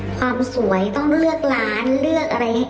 ความสวยต้องเลือกร้านเลือกอะไร